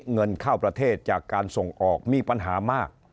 เงินเข้าประเทศจากการส่งออกมีปัญหามาก